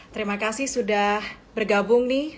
terima kasih sudah bergabung nih